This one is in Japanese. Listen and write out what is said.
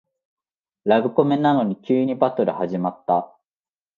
ラブコメなのに急にバトル始まった